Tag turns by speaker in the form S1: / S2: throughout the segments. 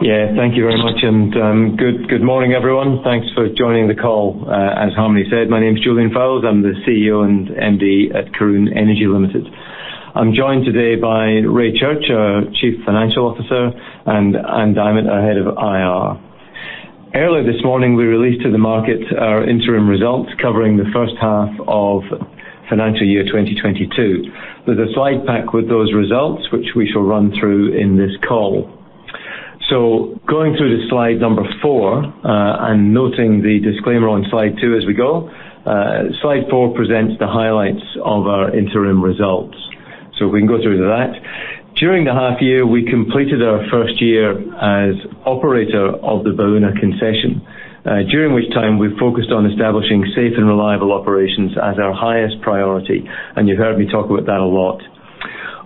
S1: Thank you very much and good morning, everyone. Thanks for joining the call. As Harmony said, my name is Julian Fowles. I'm the CEO and MD at Karoon Energy Limited. I'm joined today by Ray Church, our Chief Financial Officer and Ann Diamant, our Head of IR. Earlier this morning, we released to the market our interim results covering the first half of financial year 2022. There's a slide pack with those results which we shall run through in this call. Going through to slide number four and noting the disclaimer on slide two as we go. Slide four presents the highlights of our interim results. If we can go through that. During the half year, we completed our first year as operator of the Baúna concession, during which time we focused on establishing safe and reliable operations as our highest priority and you've heard me talk about that a lot.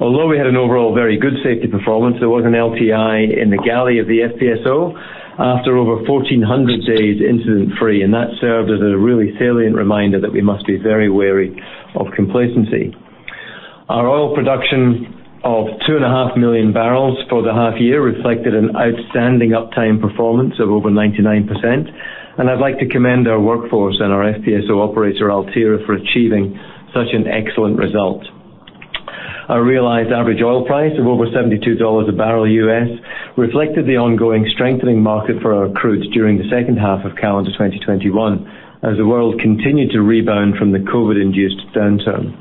S1: Although we had an overall very good safety performance, there was an LTI in the galley of the FPSO after over 1,400 days incident-free and that served as a really salient reminder that we must be very wary of complacency. Our oil production of 2.5 million barrels for the half year reflected an outstanding uptime performance of over 99% and I'd like to commend our workforce and our FPSO operator, Altera, for achieving such an excellent result. Our realized average oil price of over $72 a barrel U.S. Reflected the ongoing strengthening market for our crudes during the second half of calendar 2021 as the world continued to rebound from the COVID-induced downturn.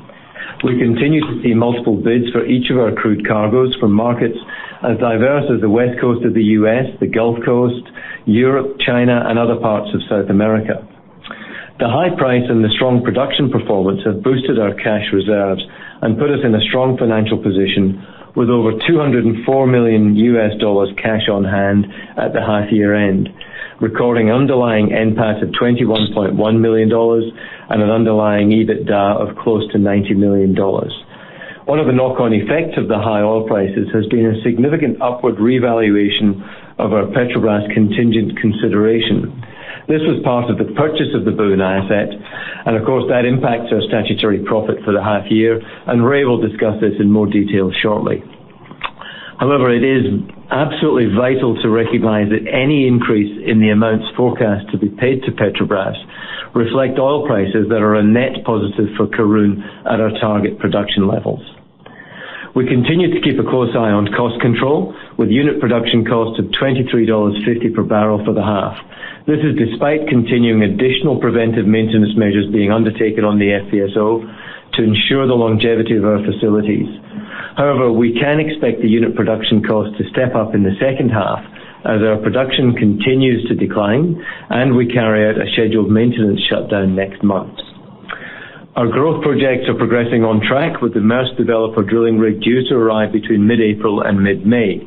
S1: We continue to see multiple bids for each of our crude cargos from markets as diverse as the West Coast of the U.S., the Gulf Coast, Europe, China and other parts of South America. The high price and the strong production performance have boosted our cash reserves and put us in a strong financial position with over $204 million cash on hand at the half-year end, recording underlying NPAT of $21.1 million and an underlying EBITDA of close to $90 million. One of the knock-on effects of the high oil prices has been a significant upward revaluation of our Petrobras contingent consideration. This was part of the purchase of the Baúna asset and of course, that impacts our statutory profit for the half year and Ray will discuss this in more detail shortly. However, it is absolutely vital to recognize that any increase in the amounts forecast to be paid to Petrobras reflect oil prices that are a net positive for Karoon at our target production levels. We continue to keep a close eye on cost control with unit production cost of $23.50 per barrel for the half. This is despite continuing additional preventive maintenance measures being undertaken on the FPSO to ensure the longevity of our facilities. However, we can expect the unit production cost to step up in the second half as our production continues to decline and we carry out a scheduled maintenance shutdown next month. Our growth projects are progressing on track with the Maersk Developer drilling rig due to arrive between mid-April and mid-May.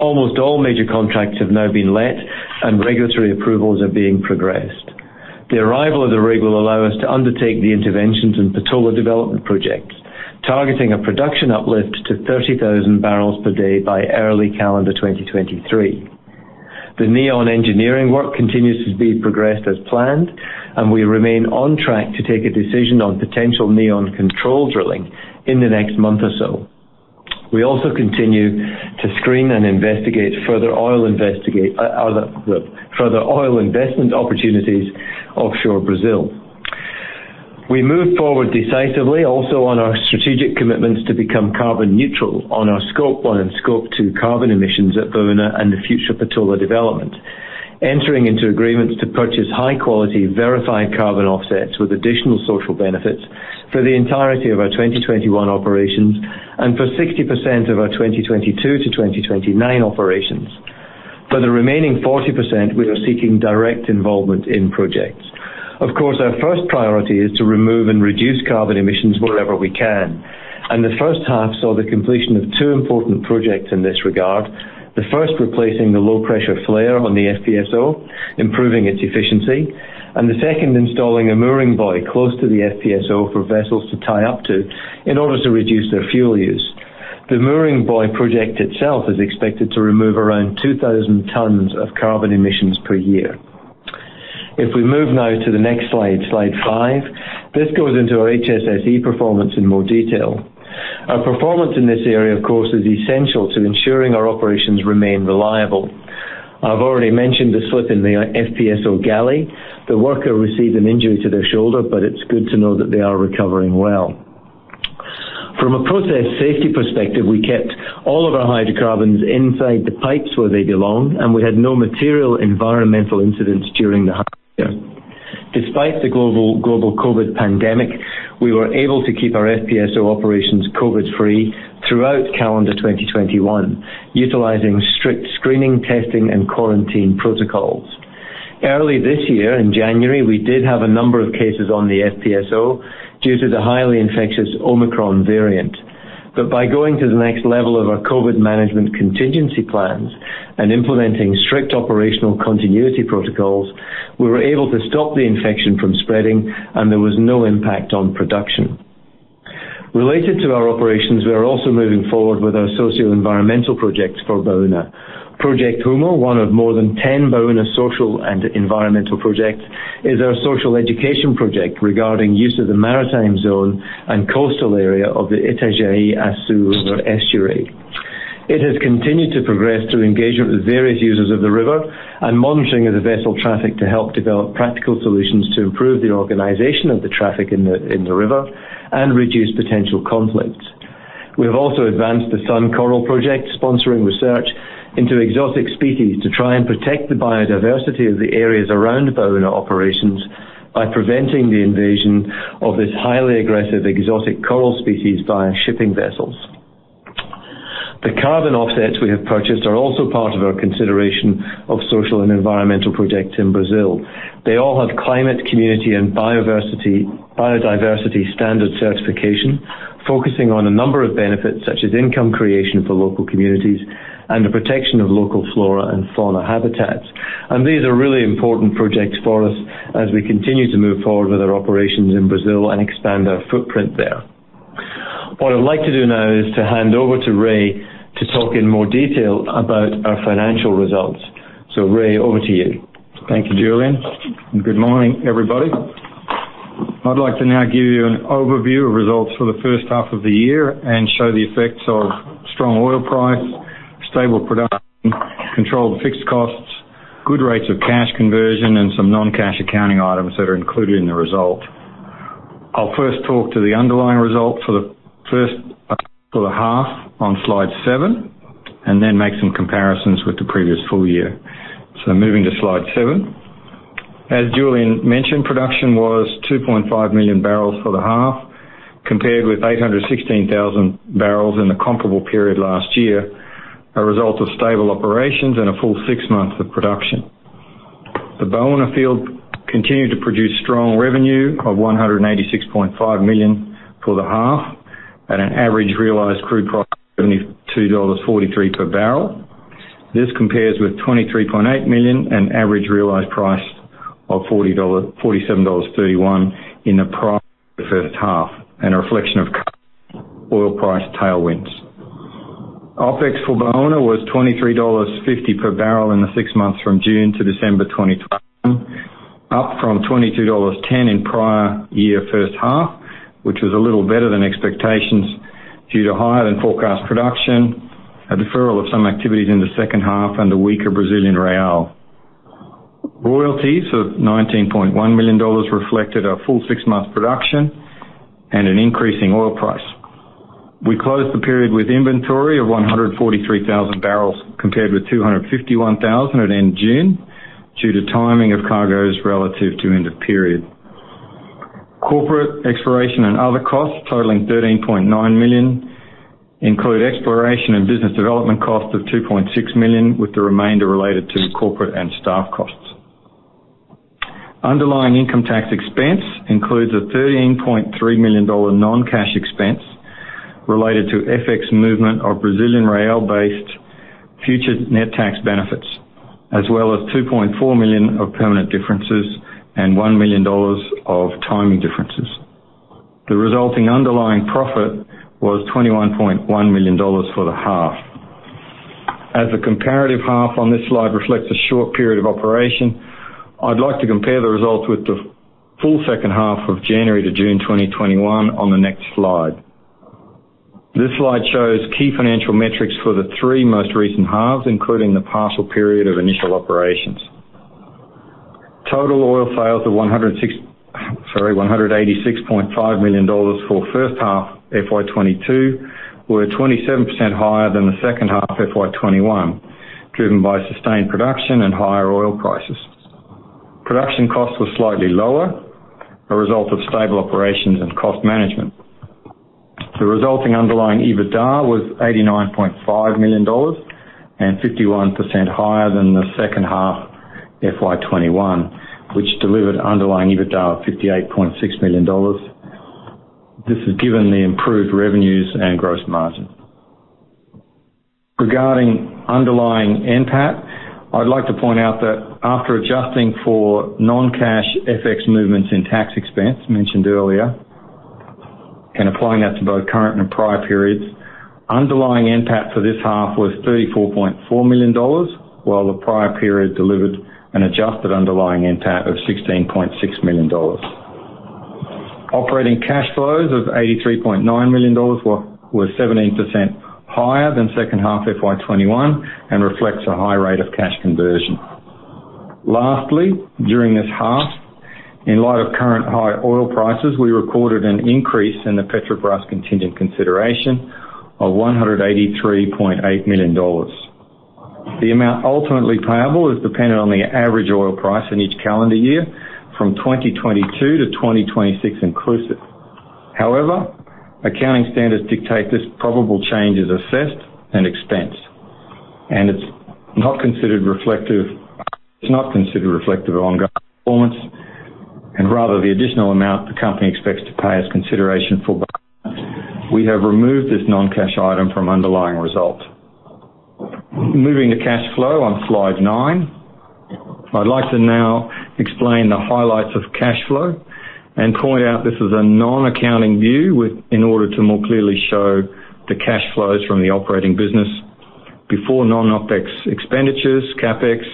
S1: Almost all major contracts have now been let and regulatory approvals are being progressed. The arrival of the rig will allow us to undertake the interventions and Patola development projects, targeting a production uplift to 30,000 barrels per day by early calendar 2023. The Neon engineering work continues to be progressed as planned and we remain on track to take a decision on potential Neon control drilling in the next month or so. We also continue to screen and investigate further oil investment opportunities offshore Brazil. We move forward decisively also on our strategic commitments to become carbon neutral on our Scope 1 and Scope 2 carbon emissions at Baúna and the future Patola development, entering into agreements to purchase high-quality verified carbon offsets with additional social benefits for the entirety of our 2021 operations and for 60% of our 2022-2029 operations. For the remaining 40%, we are seeking direct involvement in projects. Of course, our first priority is to remove and reduce carbon emissions wherever we can. The first half saw the completion of two important projects in this regard. The first, replacing the low-pressure flare on the FPSO, improving its efficiency. The second, installing a mooring buoy close to the FPSO for vessels to tie up to in order to reduce their fuel use. The mooring buoy project itself is expected to remove around 2,000 tons of carbon emissions per year. If we move now to the next slide five, this goes into our HSSE performance in more detail. Our performance in this area, of course, is essential to ensuring our operations remain reliable. I've already mentioned the slip in the FPSO galley. The worker received an injury to their shoulder but it's good to know that they are recovering well. From a process safety perspective, we kept all of our hydrocarbons inside the pipes where they belong and we had no material environmental incidents during the half year. Despite the global COVID pandemic, we were able to keep our FPSO operations COVID-free throughout calendar 2021, utilizing strict screening, testing and quarantine protocols. Early this year, in January, we did have a number of cases on the FPSO due to the highly infectious Omicron variant. By going to the next level of our COVID management contingency plans and implementing strict operational continuity protocols, we were able to stop the infection from spreading and there was no impact on production. Related to our operations, we are also moving forward with our socio-environmental projects for Baúna. Projecto RUMO, one of more than 10 Baúna social and environmental projects, is our social education project regarding use of the maritime zone and coastal area of the Itajaí-Açu River estuary. It has continued to progress through engagement with various users of the river and monitoring of the vessel traffic to help develop practical solutions to improve the organization of the traffic in the river and reduce potential conflicts. We have also advanced the Sun Coral Project, sponsoring research into exotic species to try and protect the biodiversity of the areas around Baúna operations by preventing the invasion of this highly aggressive exotic coral species by shipping vessels. The carbon offsets we have purchased are also part of our consideration of social and environmental projects in Brazil. They all have Climate, Community & Biodiversity Standard certification, focusing on a number of benefits such as income creation for local communities and the protection of local flora and fauna habitats. These are really important projects for us as we continue to move forward with our operations in Brazil and expand our footprint there. What I'd like to do now is to hand over to Ray to talk in more detail about our financial results. Ray, over to you.
S2: Thank you, Julian. Good morning, everybody. I'd like to now give you an overview of results for the first half of the year and show the effects of strong oil price, stable production, controlled fixed costs, good rates of cash conversion and some non-cash accounting items that are included in the result. I'll first talk to the underlying result for the first half on slide seven and then make some comparisons with the previous full year. Moving to slide seven. As Julian mentioned, production was 2.5 million barrels for the half, compared with 816,000 barrels in the comparable period last year, a result of stable operations and a full six months of production. The Baúna field continued to produce strong revenue of $186.5 million for the half at an average realized crude price of $72.43 per barrel. This compares with $23.8 million and average realized price of $47.31 in the prior first half and a reflection of current oil price tailwinds. OpEx for Baúna was $23.50 per barrel in the six months from June to December 2021, up from $22.10 in prior year first half which was a little better than expectations due to higher than forecast production, a deferral of some activities in the second half and a weaker Brazilian real. Royalties of $19.1 million reflected a full six-month production and an increasing oil price. We closed the period with inventory of 143,000 barrels compared with 251,000 at end June, due to timing of cargoes relative to end of period. Corporate exploration and other costs totaling $13.9 million include exploration and business development cost of $2.6 million with the remainder related to corporate and staff costs. Underlying income tax expense includes a $13.3 million non-cash expense related to FX movement of Brazilian real-based future net tax benefits, as well as $2.4 million of permanent differences and $1 million of timing differences. The resulting underlying profit was $21.1 million for the half. As the comparative half on this slide reflects a short period of operation, I'd like to compare the results with the full second half of January to June 2021 on the next slide. This slide shows key financial metrics for the three most recent halves, including the partial period of initial operations. Total oil sales of $186.5 million for first half FY 2022 were 27% higher than the second half FY 2021, driven by sustained production and higher oil prices. Production costs were slightly lower, a result of stable operations and cost management. The resulting underlying EBITDA was $89.5 million and 51% higher than the second half FY 2021, which delivered underlying EBITDA of $58.6 million. This is given the improved revenues and gross margin. Regarding underlying NPAT, I'd like to point out that after adjusting for non-cash FX movements in tax expense mentioned earlier and applying that to both current and prior periods, underlying NPAT for this half was $34.4 million while the prior period delivered an adjusted underlying NPAT of $16.6 million. Operating cash flows of $83.9 million were seventeen percent higher than second half FY 2021 and reflects a high rate of cash conversion. Lastly, during this half, in light of current high oil prices, we recorded an increase in the Petrobras contingent consideration of $183.8 million. The amount ultimately payable is dependent on the average oil price in each calendar year from 2022 to 2026 inclusive. However, accounting standards dictate this probable change is assessed and expensed and it's not considered reflective of ongoing performance and rather the additional amount the company expects to pay as consideration for. We have removed this non-cash item from underlying result. Moving to cash flow on slide nine. I'd like to now explain the highlights of cash flow and point out this is a non-accounting view, in order to more clearly show the cash flows from the operating business before non-OpEx expenditures, CapEx,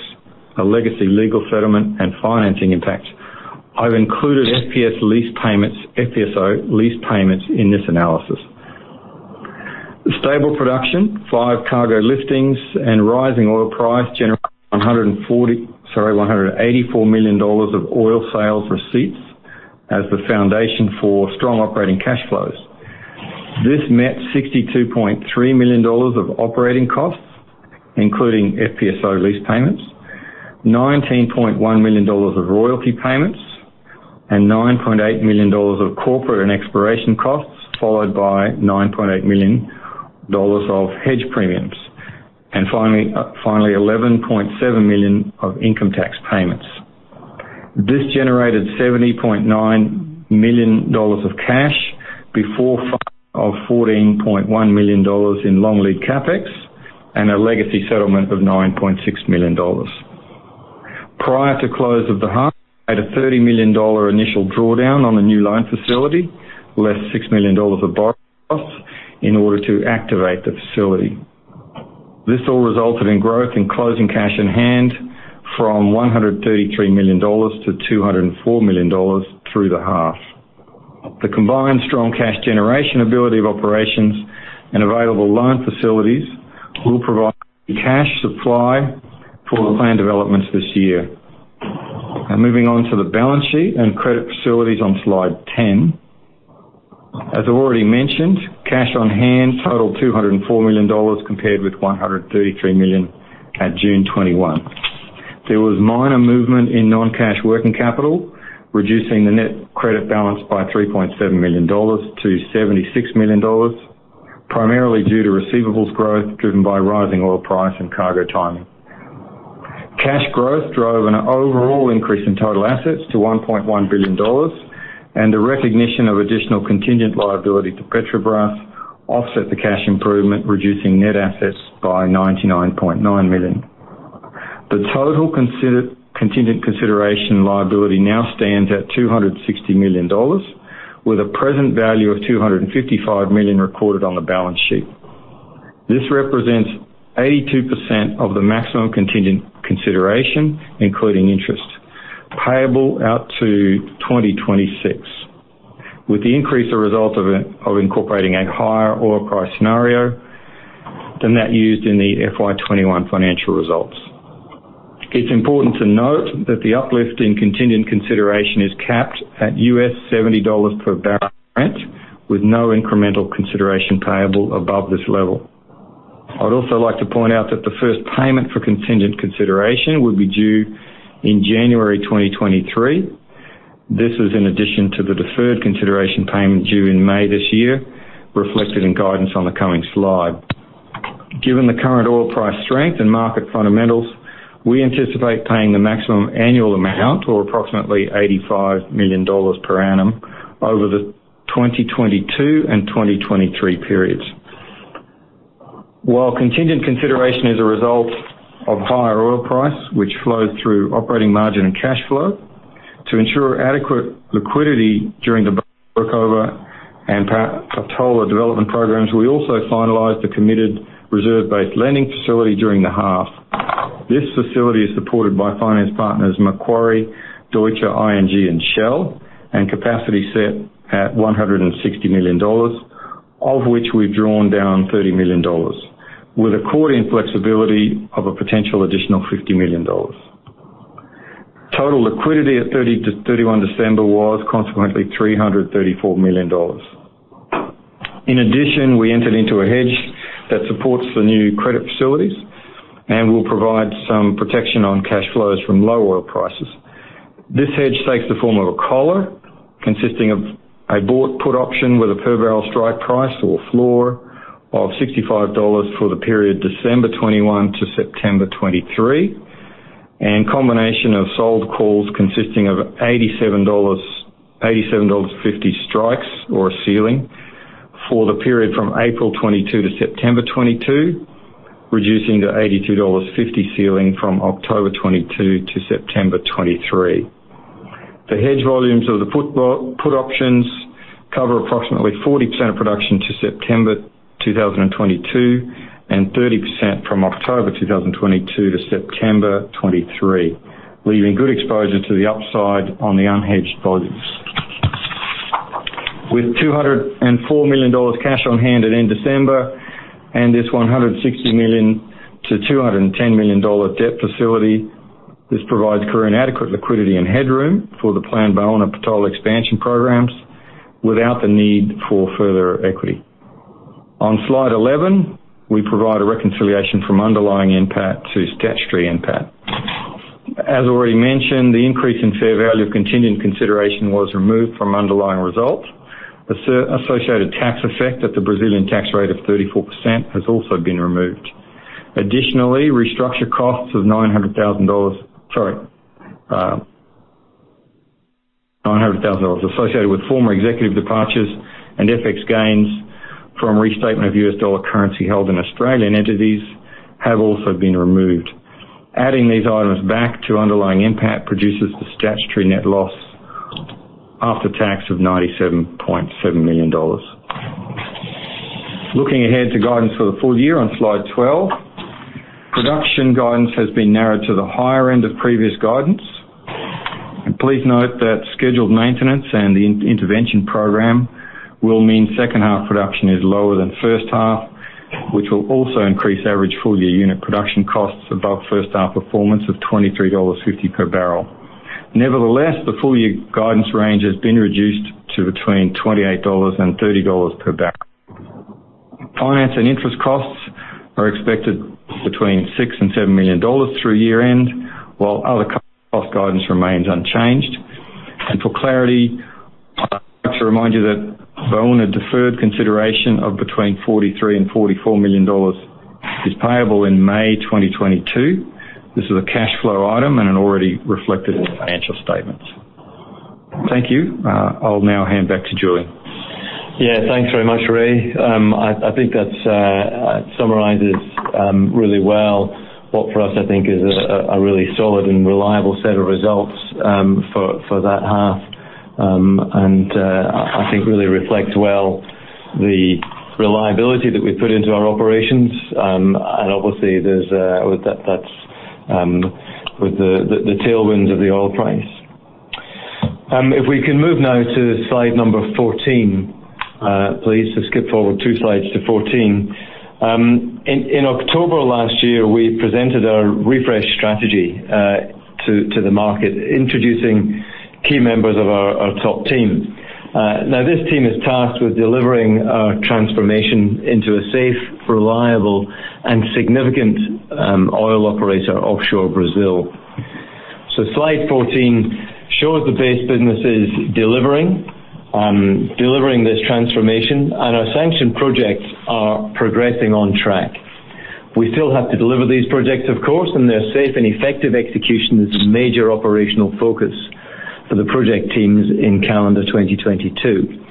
S2: a legacy legal settlement and financing impact. I've included FPS lease payments, FPSO lease payments in this analysis. The stable production, five cargo listings and rising oil price generate $184 million of oil sales receipts as the foundation for strong operating cash flows. This met $62.3 million of operating costs, including FPSO lease payments, $19.1 million of royalty payments and $9.8 million of corporate and exploration costs, followed by $9.8 million of hedge premiums and finally $11.7 million of income tax payments. This generated $79 million of cash before $14.1 million in long lead CapEx and a legacy settlement of $9.6 million. Prior to close of the half, at a $30 million initial drawdown on the new loan facility, less $6 million of borrowing costs in order to activate the facility. This all resulted in growth in closing cash in hand from $133 million to $204 million through the half. The combined strong cash generation ability of operations and available loan facilities will provide cash supply for the planned developments this year. Now moving on to the balance sheet and credit facilities on slide 10. As already mentioned, cash on hand totaled $204 million compared with $133 million at June 2021. There was minor movement in non-cash working capital, reducing the net credit balance by $3.7 million to $76 million, primarily due to receivables growth driven by rising oil price and cargo timing. Cash growth drove an overall increase in total assets to $1.1 billion and the recognition of additional contingent liability to Petrobras offset the cash improvement, reducing net assets by $99.9 million. The total contingent consideration liability now stands at $260 million with a present value of $255 million recorded on the balance sheet. This represents 82% of the maximum contingent consideration, including interest payable out to 2026 with the increase a result of incorporating a higher oil price scenario than that used in the FY 2021 financial results. It's important to note that the uplift in contingent consideration is capped at $70 per barrel Brent, with no incremental consideration payable above this level. I'd also like to point out that the first payment for contingent consideration would be due in January 2023. This is in addition to the deferred consideration payment due in May this year, reflected in guidance on the coming slide. Given the current oil price strength and market fundamentals, we anticipate paying the maximum annual amount or approximately $85 million per annum over the 2022 and 2023 periods. While contingent consideration is a result of higher oil price which flows through operating margin and cash flow, to ensure adequate liquidity during the workover and Patola development programs, we also finalized the committed reserve-based lending facility during the half. This facility is supported by finance partners Macquarie, Deutsche, ING, and Shell, and capacity set at $160 million, of which we've drawn down $30 million, with accordion flexibility of a potential additional $50 million. Total liquidity at 30-31 December was consequently $334 million. In addition, we entered into a hedge that supports the new credit facilities and will provide some protection on cash flows from low oil prices. This hedge takes the form of a collar consisting of a bought put option with a per barrel strike price or floor of $65 for the period December 2021 to September 2023, and combination of sold calls consisting of $87, $87.50 strikes or a ceiling for the period from April 2022 to September 2022, reducing to $82.50 ceiling from October 2022 to September 2023. The hedge volumes of the put options cover approximately 40% of production to September 2022 and 30% from October 2022 to September 2023, leaving good exposure to the upside on the unhedged volumes. With $204 million cash on hand at end December and this $160 million-$210 million debt facility, this provides current adequate liquidity and headroom for the planned Baúna-Patola expansion programs without the need for further equity. On slide 11, we provide a reconciliation from underlying NPAT to statutory NPAT. As already mentioned, the increase in fair value of continuing consideration was removed from underlying results. Associated tax effect at the Brazilian tax rate of 34% has also been removed. Additionally, restructure costs of $900,000 associated with former executive departures and FX gains from restatement of U.S. dollar currency held in Australian entities have also been removed. Adding these items back to underlying NPAT produces the statutory net loss after tax of $97.7 million. Looking ahead to guidance for the full year on slide 12. Production guidance has been narrowed to the higher end of previous guidance. Please note that scheduled maintenance and the ESP intervention program will mean second half production is lower than first half which will also increase average full-year unit production costs above first half performance of $23.50 per barrel. Nevertheless, the full year guidance range has been reduced to between $28 and $30 per barrel. Finance and interest costs are expected between $6 million and $7 million through year-end, while other cost guidance remains unchanged. For clarity, I'd like to remind you that Baúna deferred consideration of between $43 million and $44 million is payable in May 2022. This is a cash flow item and already reflected in financial statements. Thank you. I'll now hand back to Julian Fowles.
S1: Yeah, thanks very much, Ray. I think that summarizes really well what for us I think is a really solid and reliable set of results for that half. I think it really reflects well the reliability that we put into our operations. Obviously, that's with the tailwinds of the oil price. If we can move now to slide number 14, please. Skip forward two slides to 14. In October last year, we presented our refresh strategy to the market, introducing key members of our top team. Now this team is tasked with delivering our transformation into a safe, reliable and significant oil operator offshore Brazil. Slide 14 shows the base business is delivering this transformation and our sanction projects are progressing on track. We still have to deliver these projects, of course, and their safe and effective execution is a major operational focus for the project teams in calendar 2022.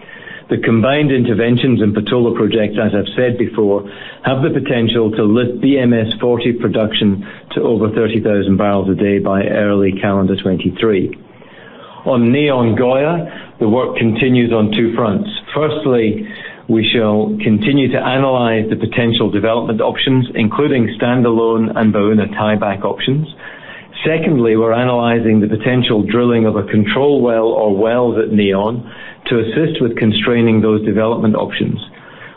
S1: The combined interventions in Patola project, as I've said before, have the potential to lift BM-S-40 production to over 30,000 barrels a day by early calendar 2023. On Neon Goiá, the work continues on two fronts. Firstly, we shall continue to analyze the potential development options, including standalone and Baúna tieback options. Secondly, we're analyzing the potential drilling of a control well or wells at Neon to assist with constraining those development options.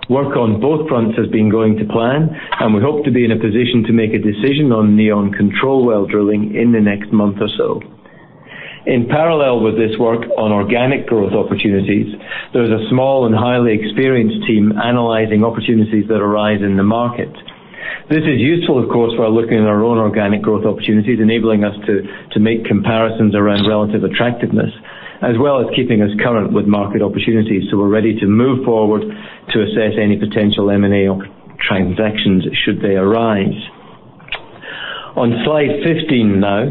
S1: Work on both fronts has been going to plan and we hope to be in a position to make a decision on Neon control well drilling in the next month or so. In parallel with this work on organic growth opportunities, there's a small and highly experienced team analyzing opportunities that arise in the market. This is useful, of course, while looking at our own organic growth opportunities, enabling us to make comparisons around relative attractiveness, as well as keeping us current with market opportunities who are ready to move forward to assess any potential M&A transactions should they arise. On slide 15 now.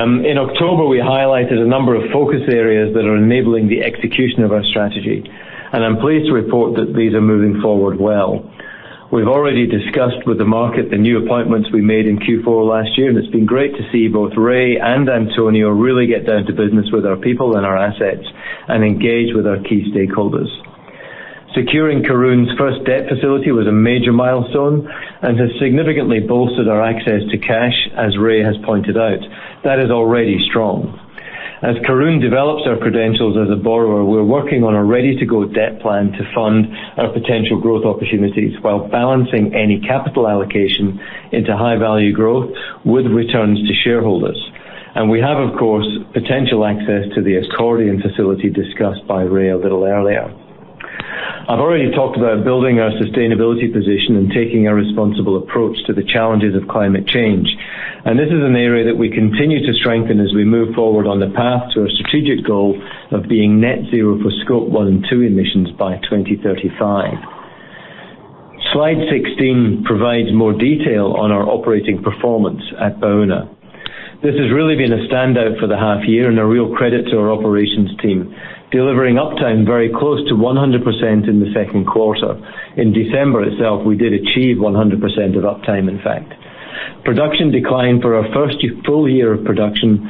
S1: In October, we highlighted a number of focus areas that are enabling the execution of our strategy and I'm pleased to report that these are moving forward well. We've already discussed with the market the new appointments we made in Q4 last year and it's been great to see both Ray and Antonio really get down to business with our people and our assets and engage with our key stakeholders. Securing Karoon's first debt facility was a major milestone and has significantly bolstered our access to cash, as Ray has pointed out. That is already strong. As Karoon develops our credentials as a borrower, we're working on a ready-to-go debt plan to fund our potential growth opportunities while balancing any capital allocation into high value growth with returns to shareholders. We have, of course, potential access to the accordion facility discussed by Ray a little earlier. I've already talked about building our sustainability position and taking a responsible approach to the challenges of climate change. This is an area that we continue to strengthen as we move forward on the path to a strategic goal of being net zero for Scope 1 and Scope 2 emissions by 2035. Slide 16 provides more detail on our operating performance at Baúna. This has really been a standout for the half year and a real credit to our operations team, delivering uptime very close to 100% in the second quarter. In December itself, we did achieve 100% uptime, in fact. Production decline for our first full year of production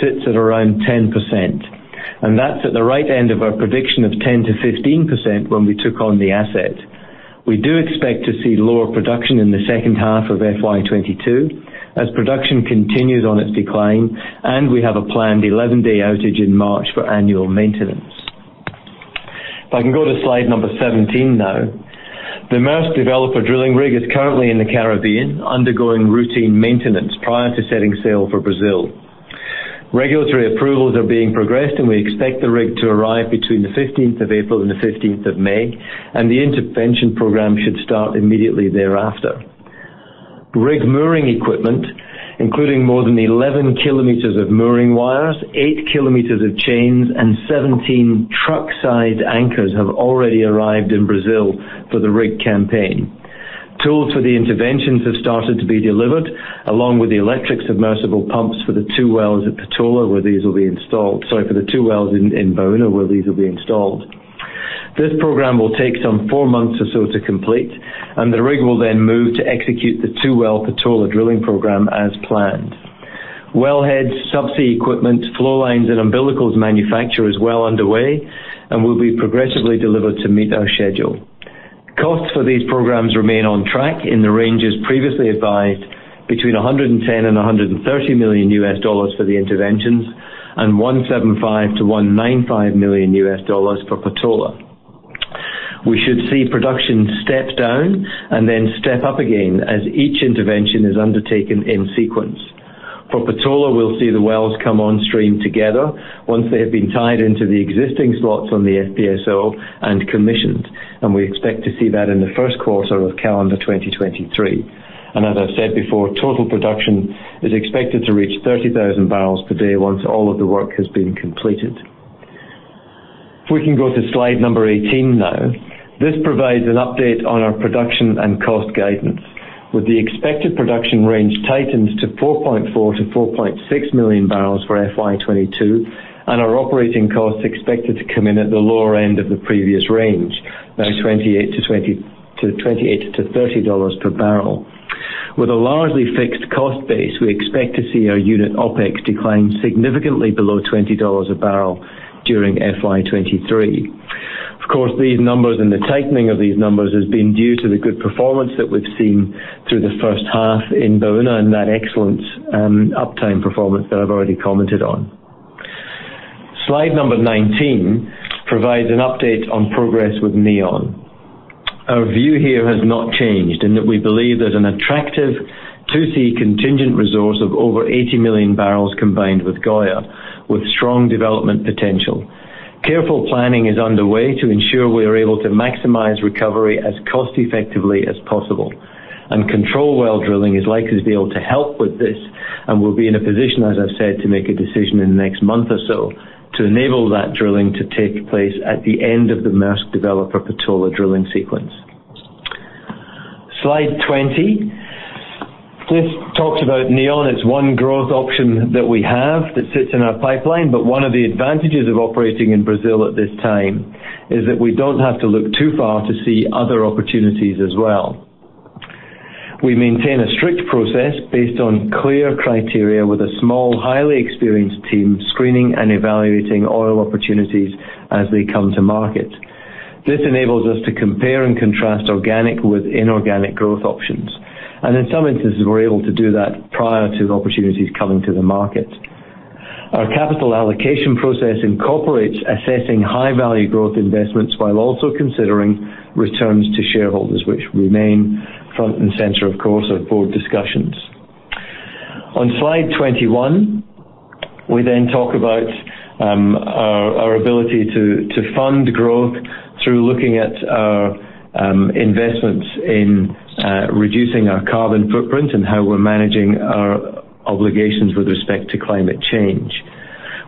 S1: sits at around 10% and that's at the right end of our prediction of 10%-15% when we took on the asset. We do expect to see lower production in the second half of FY 2022 as production continues on its decline and we have a planned 11-day outage in March for annual maintenance. If I can go to slide 17 now. The Maersk Developer drilling rig is currently in the Caribbean, undergoing routine maintenance prior to setting sail for Brazil. Regulatory approvals are being progressed and we expect the rig to arrive between the 15th of April and the 15th of May and the intervention program should start immediately thereafter. Rig mooring equipment, including more than 11 km of mooring wires, 8 km of chains, and 17 truck-sized anchors have already arrived in Brazil for the rig campaign. Tools for the interventions have started to be delivered, along with the electric submersible pumps for the two wells at Patola where these will be installed. Sorry, for the two wells in Baúna, where these will be installed. This program will take some four months or so to complete and the rig will then move to execute the two-well Patola drilling program as planned. Wellhead subsea equipment, flow lines and umbilicals manufacture is well underway and will be progressively delivered to meet our schedule. Costs for these programs remain on track in the ranges previously advised between $110 million and $130 million for the interventions and $175 million-$195 million for Patola. We should see production step down and then step up again as each intervention is undertaken in sequence. For Patola, we'll see the wells come on stream together once they have been tied into the existing slots on the FPSO and commissioned. We expect to see that in the first quarter of calendar 2023. As I said before, total production is expected to reach 30,000 barrels per day once all of the work has been completed. If we can go to slide number 18 now. This provides an update on our production and cost guidance, with the expected production range tightened to 4.4-4.6 million barrels for FY 2022 and our operating costs expected to come in at the lower end of the previous range, now $28-$30 per barrel. With a largely fixed cost base, we expect to see our unit OpEx decline significantly below $20 a barrel during FY 2023. Of course, these numbers and the tightening of these numbers has been due to the good performance that we've seen through the first half in Baúna and that excellent uptime performance that I've already commented on. Slide 19 provides an update on progress with Neon. Our view here has not changed, in that we believe there's an attractive 2C contingent resource of over 80 million barrels combined with Goiá with strong development potential. Careful planning is underway to ensure we are able to maximize recovery as cost effectively as possible and control well drilling is likely to be able to help with this and we'll be in a position, as I've said, to make a decision in the next month or so to enable that drilling to take place at the end of the Maersk Developer Patola drilling sequence. Slide 20. This talks about Neon. It's one growth option that we have that sits in our pipeline. One of the advantages of operating in Brazil at this time is that we don't have to look too far to see other opportunities as well. We maintain a strict process based on clear criteria with a small, highly experienced team screening and evaluating oil opportunities as they come to market. This enables us to compare and contrast organic with inorganic growth options and in some instances, we're able to do that prior to the opportunities coming to the market. Our capital allocation process incorporates assessing high value growth investments while also considering returns to shareholders, which remain front and center, of course, at board discussions. On slide 21, we then talk about our ability to fund growth through looking at our investments in reducing our carbon footprint and how we're managing our obligations with respect to climate change.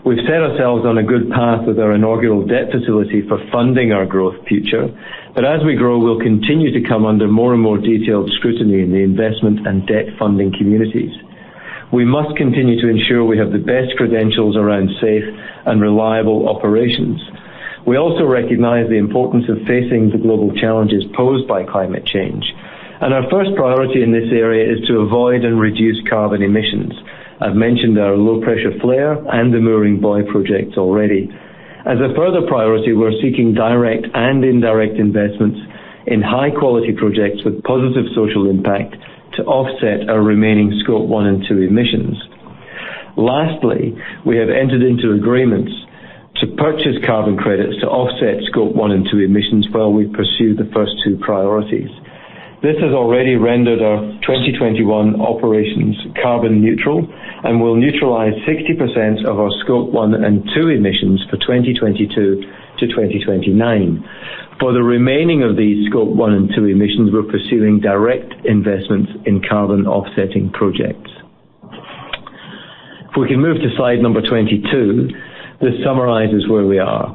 S1: We've set ourselves on a good path with our inaugural debt facility for funding our growth future. As we grow, we'll continue to come under more and more detailed scrutiny in the investment and debt funding communities. We must continue to ensure we have the best credentials around safe and reliable operations. We also recognize the importance of facing the global challenges posed by climate change and our first priority in this area is to avoid and reduce carbon emissions. I've mentioned our low pressure flare and the mooring buoy projects already. As a further priority, we're seeking direct and indirect investments in high quality projects with positive social impact to offset our remaining Scope 1 and Scope 2 emissions. Lastly, we have entered into agreements to purchase carbon credits to offset Scope 1 and Scope 2 emissions while we pursue the first two priorities. This has already rendered our 2021 operations carbon neutral and will neutralize 60% of our Scope 1 and 2 emissions for 2022 to 2029. For the remaining of the Scope 1 and 2 emissions, we're pursuing direct investments in carbon offsetting projects. If we can move to slide number 22. This summarizes where we are.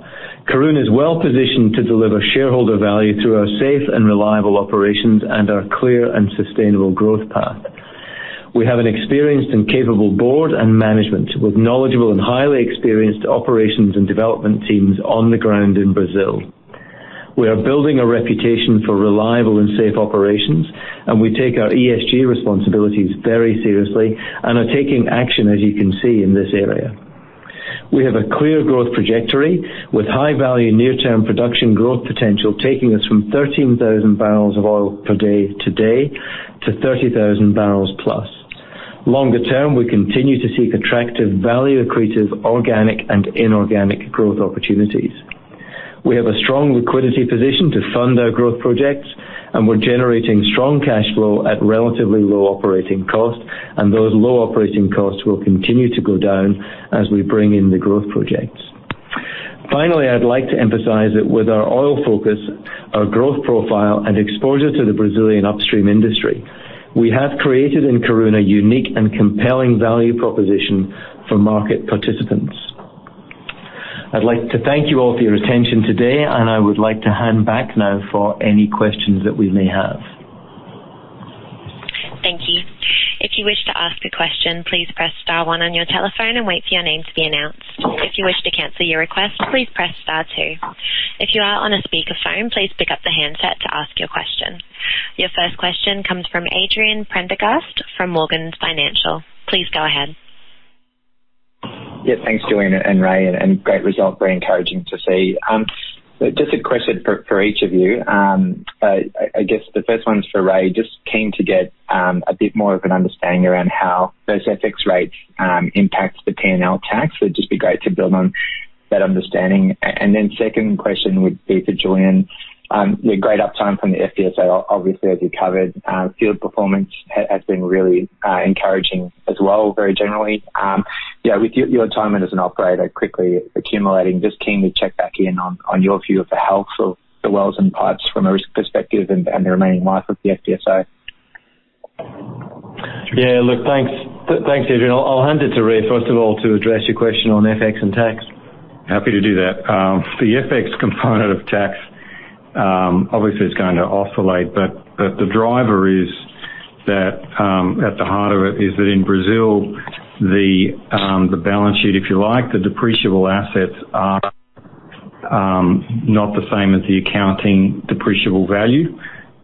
S1: Karoon is well positioned to deliver shareholder value through our safe and reliable operations and our clear and sustainable growth path. We have an experienced and capable board and management with knowledgeable and highly experienced operations and development teams on the ground in Brazil. We are building a reputation for reliable and safe operations and we take our ESG responsibilities very seriously and are taking action, as you can see, in this area. We have a clear growth trajectory with high value near-term production growth potential, taking us from 13,000 barrels of oil per day today to 30,000 barrels plus. Longer term, we continue to seek attractive value-accretive, organic and inorganic growth opportunities. We have a strong liquidity position to fund our growth projects and we're generating strong cash flow at relatively low operating cost. Those low operating costs will continue to go down as we bring in the growth projects. Finally, I'd like to emphasize that with our oil focus, our growth profile and exposure to the Brazilian upstream industry, we have created in Karoon a unique and compelling value proposition for market participants. I'd like to thank you all for your attention today and I would like to hand back now for any questions that we may have.
S3: Thank you. If you wish to ask a question, please press star one on your telephone and wait for your name to be announced. If you wish to cancel your request, please press star two. If you are on a speakerphone, please pick up the handset to ask your question. Your first question comes from Adrian Prendergast from Morgans Financial. Please go ahead.
S4: Yeah, thanks, Julian and Ray and great result. Very encouraging to see. Just a question for each of you. I guess the first one's for Ray. Just keen to get a bit more of an understanding around how those FX rates impact the P&L tax. So it'd just be great to build on that understanding. Then second question would be for Julian. Yeah, great uptime from the FPSO. Obviously, as you covered, field performance has been really encouraging as well, very generally. Yeah, with your time as an operator quickly accumulating, just keen to check back in on your view of the health of the wells and pipes from a risk perspective and the remaining life of the FPSO.
S1: Yeah. Look, thanks. Thanks, Adrian. I'll hand it to Ray, first of all, to address your question on FX and tax.
S2: Happy to do that. The FX component of tax obviously is going to oscillate but the driver is that at the heart of it is that in Brazil, the balance sheet, if you like, the depreciable assets are not the same as the accounting depreciable value.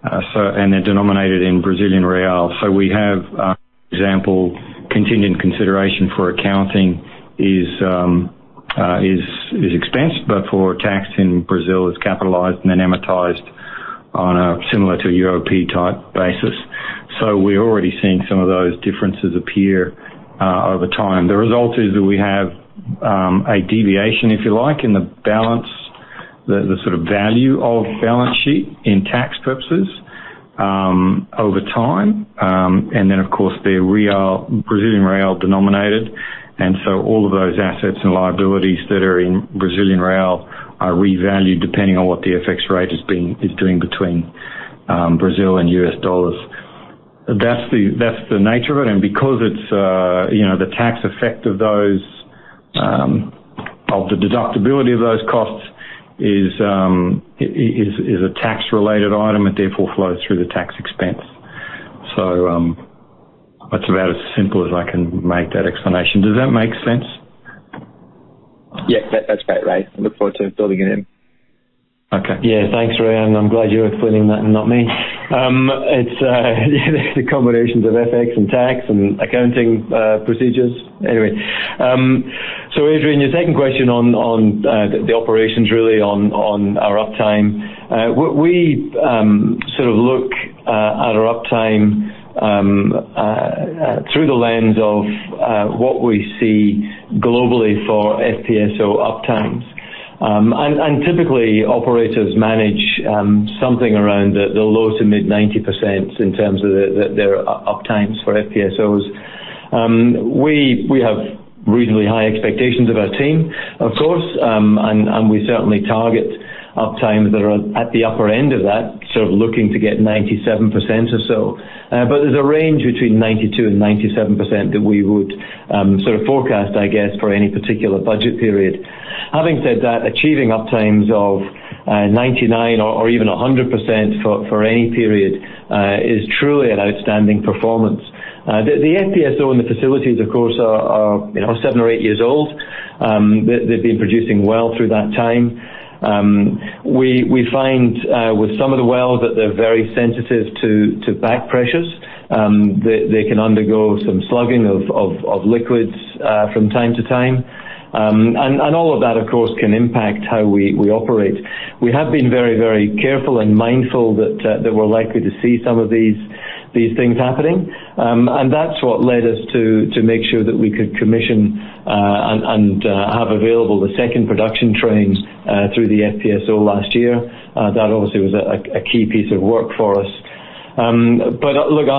S2: They're denominated in Brazilian real. We have, for example, continuing consideration for accounting is expense but for tax in Brazil, it's capitalized and then amortized on a similar to UOP-type basis. We're already seeing some of those differences appear over time. The result is that we have a deviation, if you like, in the balance, the sort of value of balance sheet in tax purposes over time. Of course, they're denominated in Brazilian real. All of those assets and liabilities that are in Brazilian real are revalued depending on what the FX rate is doing between Brazil and U.S. dollars. That's the nature of it and because it's, you know, the tax effect of those of the deductibility of those costs is a tax-related item and therefore flows through the tax expense. That's about as simple as I can make that explanation. Does that make sense?
S4: Yeah. That's great, Ray. I look forward to building it in.
S2: Okay.
S1: Yeah. Thanks, Ray. I'm glad you're explaining that and not me. It's the combinations of FX and tax and accounting procedures. Anyway. Adrian, your second question on the operations really on our uptime. We sort of look at our uptime through the lens of what we see globally for FPSO uptimes. Typically, operators manage something around the low to mid 90% in terms of their uptimes for FPSOs. We have reasonably high expectations of our team, of course. We certainly target uptimes that are at the upper end of that, sort of looking to get 97% or so. There's a range between 92% and 97% that we would sort of forecast, I guess, for any particular budget period. Having said that, achieving uptimes of 99% or even 100% for any period is truly an outstanding performance. The FPSO and the facilities, of course, are, you know, seven or eight years old. They've been producing well through that time. We find with some of the wells that they're very sensitive to back pressures. They can undergo some slugging of liquids from time to time. All of that of course can impact how we operate. We have been very careful and mindful that we're likely to see some of these things happening. That's what led us to make sure that we could commission and have available the second production train through the FPSO last year. That obviously was a key piece of work for us. Look,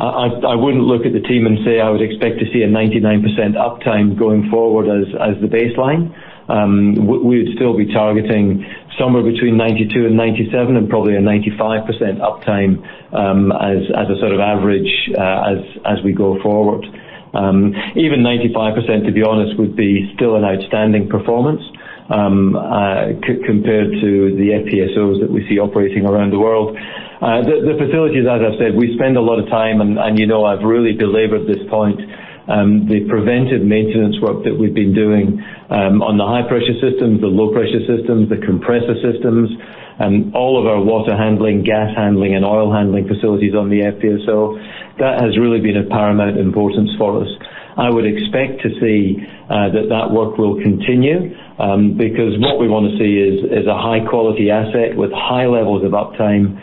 S1: I wouldn't look at the team and say I would expect to see a 99% uptime going forward as the baseline. We'd still be targeting somewhere between 92 and 97 and probably a 95% uptime as a sort of average as we go forward. Even 95%, to be honest, would be still an outstanding performance compared to the FPSOs that we see operating around the world. The facilities, as I've said, we spend a lot of time and you know I've really belabored this point. The preventive maintenance work that we've been doing on the high pressure systems, the low pressure systems, the compressor systems and all of our water handling, gas handling and oil handling facilities on the FPSO, that has really been of paramount importance for us. I would expect to see that work will continue because what we wanna see is a high quality asset with high levels of uptime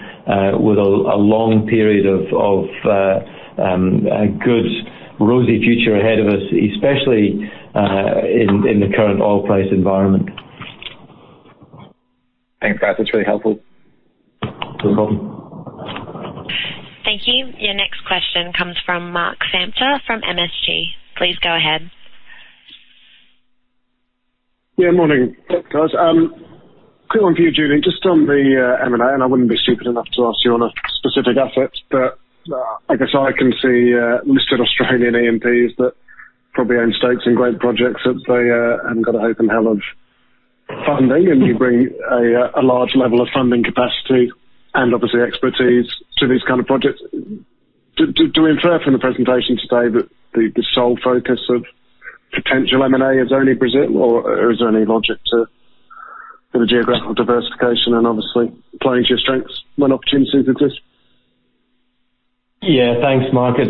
S1: with a long period of a good rosy future ahead of us, especially in the current oil price environment.
S4: Thanks, Ray. That's really helpful.
S1: No problem.
S3: Thank you. Your next question comes from Mark Samter from MST. Please go ahead.
S5: Yeah, morning, guys. Quick one for you, Julian. Just on the M&A and I wouldn't be stupid enough to ask you on a specific asset but I guess I can see listed Australian E&Ps that probably own stakes in great projects that they haven't got a hope in hell of funding and you bring a large level of funding capacity and obviously expertise to these kind of projects. Do we infer from the presentation today that the sole focus of- Potential M&A is only Brazil or is there any logic to the geographical diversification and obviously playing to your strengths when opportunities exist?
S1: Yeah. Thanks, Mark. It's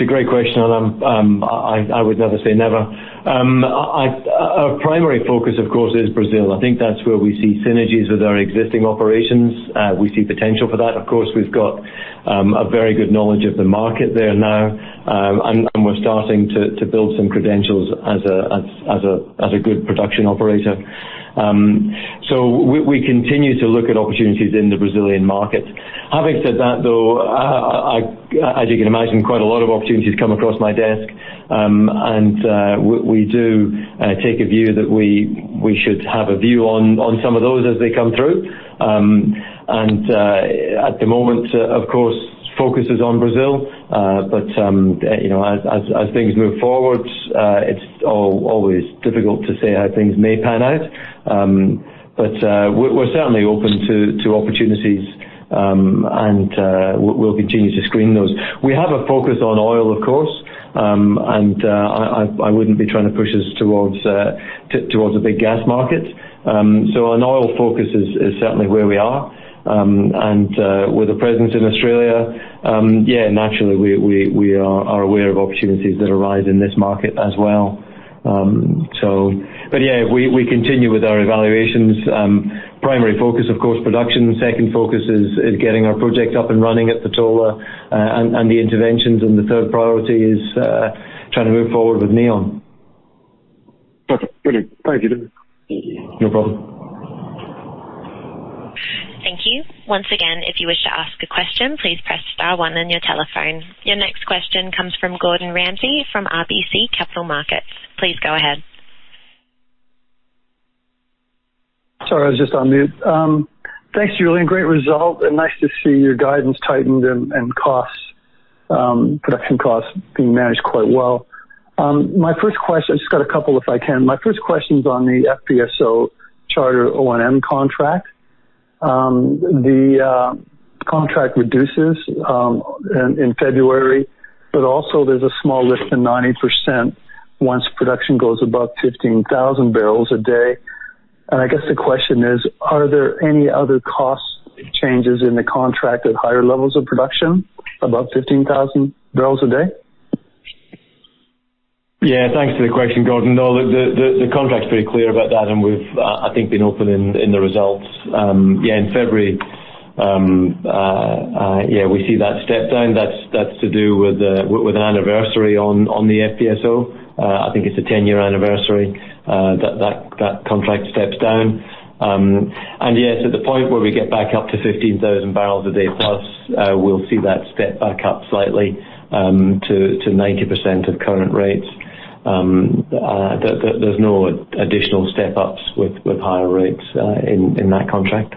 S1: a great question and I would never say never. Our primary focus, of course, is Brazil. I think that's where we see synergies with our existing operations. We see potential for that. Of course, we've got a very good knowledge of the market there now and we're starting to build some credentials as a good production operator. We continue to look at opportunities in the Brazilian market. Having said that, though, I, as you can imagine, quite a lot of opportunities come across my desk. We do take a view that we should have a view on some of those as they come through. At the moment, of course, focus is on Brazil. You know, as things move forward, it's always difficult to say how things may pan out. We're certainly open to opportunities. We'll continue to screen those. We have a focus on oil, of course. I wouldn't be trying to push us towards the big gas market. An oil focus is certainly where we are. With a presence in Australia, yeah, naturally, we are aware of opportunities that arise in this market as well. Yeah, we continue with our evaluations. Primary focus, of course, production. Second focus is getting our project up and running at Patola and the interventions. The third priority is trying to move forward with Neon.
S5: Okay. Brilliant. Thank you.
S1: No problem.
S3: Thank you. Once again, if you wish to ask a question, please press star one on your telephone. Your next question comes from Gordon Ramsay from RBC Capital Markets. Please go ahead.
S6: Sorry, I was just on mute. Thanks, Julian. Great result and nice to see your guidance tightened and costs, production costs being managed quite well. My first question. I just got a couple, if I can. My first question is on the FPSO charter O&M contract. The contract renews in February but also there's a small lift in 90% once production goes above 15,000 barrels a day. I guess the question is: Are there any other cost changes in the contract at higher levels of production above 15,000 barrels a day?
S1: Yeah. Thanks for the question, Gordon. No, the contract's pretty clear about that and we've, I think, been open in the results. Yeah, in February, we see that step down. That's to do with an anniversary on the FPSO. I think it's a 10-year anniversary, that contract steps down. And yes, at the point where we get back up to 15,000 barrels a day plus, we'll see that step back up slightly to 90% of current rates. There's no additional step-ups with higher rates, in that contract.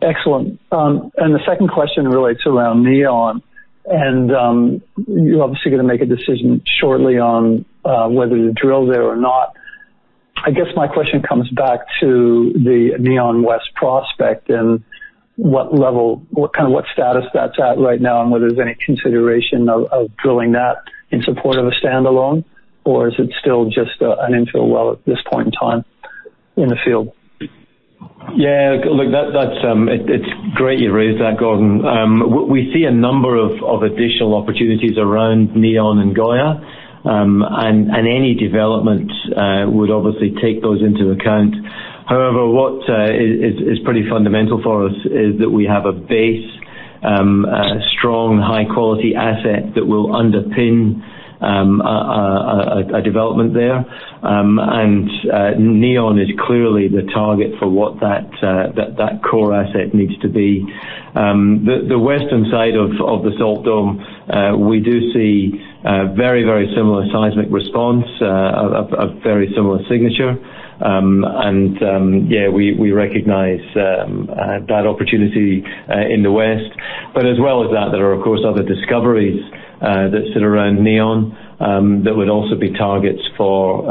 S6: Excellent. The second question relates around Neon. You're obviously gonna make a decision shortly on whether to drill there or not. I guess my question comes back to the Neon West prospect and what kind of status that's at right now, and whether there's any consideration of drilling that in support of a standalone, or is it still just an infill well at this point in time in the field?
S1: Yeah. Look, that's great you raised that, Gordon. We see a number of additional opportunities around Neon and Goiá. Any development would obviously take those into account. However, what is pretty fundamental for us is that we have a base strong, high quality asset that will underpin a development there. Neon is clearly the target for what that core asset needs to be. The western side of the salt dome, we do see a very similar seismic response, a very similar signature. We recognize that opportunity in the west. As well as that, there are of course other discoveries that sit around Neon that would also be targets for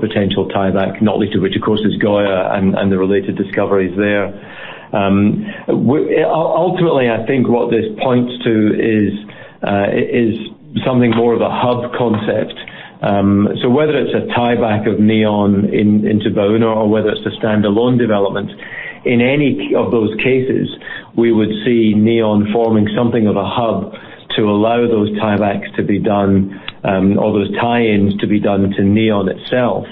S1: potential tieback, not least of which of course is Goiá and the related discoveries there. Ultimately, I think what this points to is something more of a hub concept. Whether it's a tieback of Neon into Baúna or whether it's a standalone development, in any of those cases, we would see Neon forming something of a hub to allow those tiebacks to be done or those tie-ins to be done to Neon itself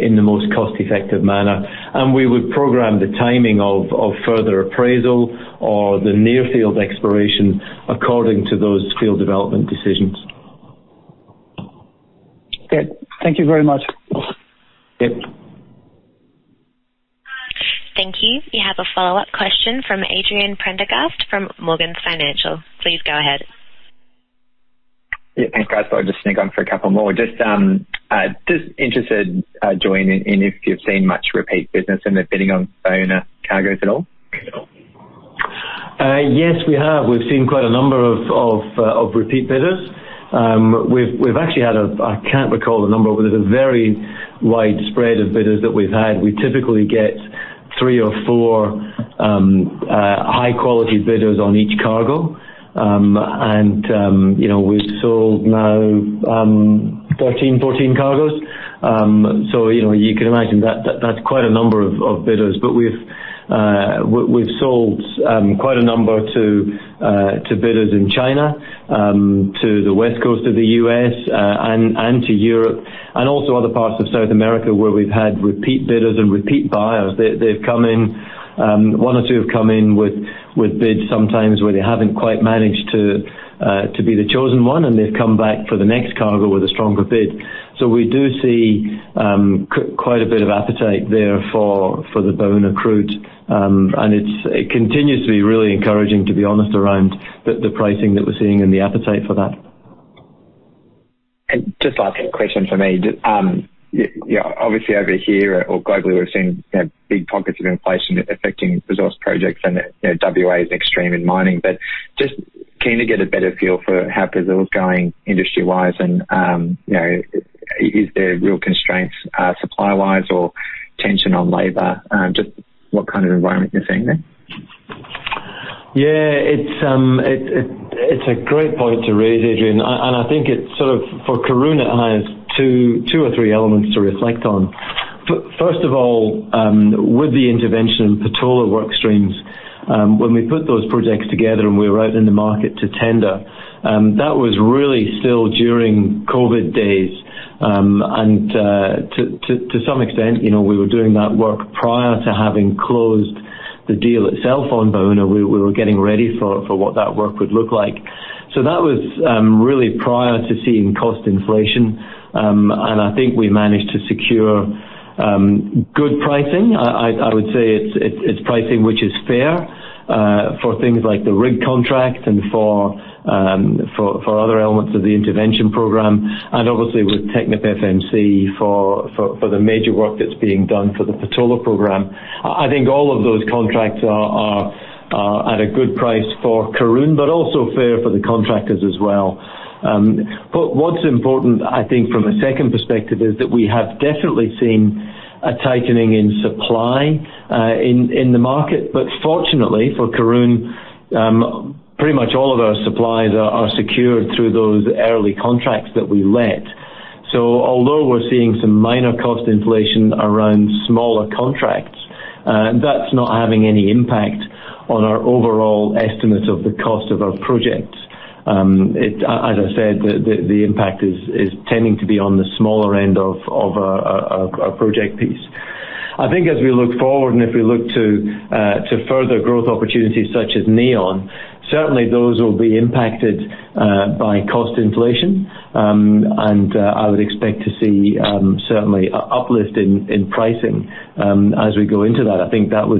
S1: in the most cost-effective manner. We would program the timing of further appraisal or the near field exploration according to those field development decisions.
S6: Okay. Thank you very much.
S1: Yep.
S3: Thank you. You have a follow-up question from Adrian Prendergast from Morgans Financial. Please go ahead.
S4: Yeah. Thanks, guys. I'll just sneak on for a couple more. Just interested, Julian, in if you've seen much repeat business in the bidding on Bona Cargo at all?
S1: Yes, we have. We've seen quite a number of repeat bidders. We've actually had a number I can't recall but there's a very wide spread of bidders that we've had. We typically get three or four high quality bidders on each cargo. You know, we've sold now 13, 14 cargoes. You know, you can imagine that's quite a number of bidders. We've sold quite a number to bidders in China, to the West Coast of the U.S., and to Europe, and also other parts of South America where we've had repeat bidders and repeat buyers. They've come in, one or two have come in with bids sometimes where they haven't quite managed to be the chosen one and they've come back for the next cargo with a stronger bid. We do see quite a bit of appetite there for the Baúna crude. It continues to be really encouraging, to be honest around the pricing that we're seeing and the appetite for that.
S4: Just last question for me. You know, obviously over here or globally, we're seeing, you know, big pockets of inflation affecting resource projects and you know, WA is extreme in mining. Just keen to get a better feel for how Brazil is going industry-wise and, you know, is there real constraints, supply-wise or tension on labor? Just what kind of environment you're seeing there?
S1: Yeah. It's a great point to raise, Adrian. I think it's sort of, for Karoon, it has two or three elements to reflect on. First of all, with the intervention in Patola work streams, when we put those projects together and we were out in the market to tender, that was really still during COVID days. To some extent, you know, we were doing that work prior to having closed the deal itself on Baúna. We were getting ready for what that work would look like. So that was really prior to seeing cost inflation. I think we managed to secure good pricing. I would say it's pricing which is fair for things like the rig contract and for other elements of the intervention program and obviously with TechnipFMC for the major work that's being done for the Patola program. I think all of those contracts are at a good price for Karoon but also fair for the contractors as well. What's important, I think from a second perspective, is that we have definitely seen a tightening in supply in the market. Fortunately for Karoon, pretty much all of our suppliers are secured through those early contracts that we let. Although we're seeing some minor cost inflation around smaller contracts, that's not having any impact on our overall estimate of the cost of our projects. As I said, the impact is tending to be on the smaller end of our project piece. I think as we look forward and if we look to further growth opportunities such as Neon, certainly those will be impacted by cost inflation. I would expect to see certainly uplift in pricing as we go into that. I think that would